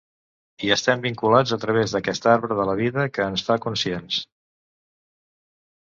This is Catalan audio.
I estem vinculats a través d'aquest arbre de la vida que ens fa conscients.